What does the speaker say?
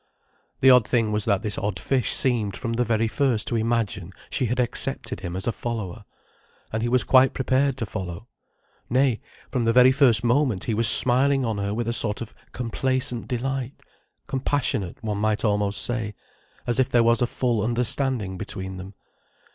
The odd thing was that this odd fish seemed from the very first to imagine she had accepted him as a follower. And he was quite prepared to follow. Nay, from the very first moment he was smiling on her with a sort of complacent delight—compassionate, one might almost say—as if there was a full understanding between them.